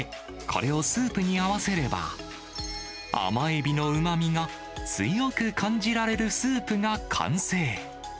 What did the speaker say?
これをスープに合わせれば、甘エビのうまみが強く感じられるスープが完成。